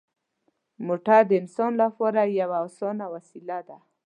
موټر د انسان لپاره یوه اسانه وسیله ده.